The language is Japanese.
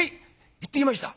行ってきました」。